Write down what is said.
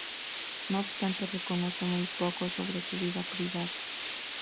No obstante, se conoce muy poco sobre su vida privada.